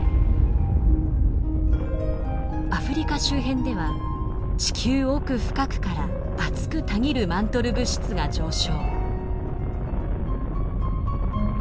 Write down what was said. アフリカ周辺では地球奥深くから熱くたぎるマントル物質が上昇。